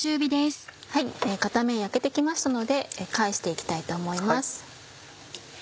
片面焼けて来ましたので返して行きたいと思います。